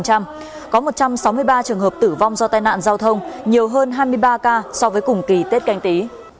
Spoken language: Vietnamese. các cơ sở hợp tử vong do tai nạn giao thông nhiều hơn hai mươi ba ca so với cùng kỳ tết canh tí